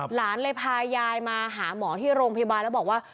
หลานเลยพายายมาหาหมอที่โรงพยาบาลแล้วบอกว่า